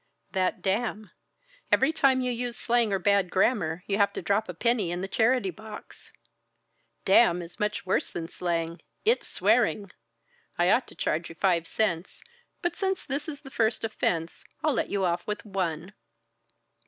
"That 'damn.' Every time you use slang or bad grammar you have to drop a penny in the charity box. 'Damn' is much worse than slang; it's swearing. I ought to charge you five cents, but since this is the first offense, I'll let you off with one."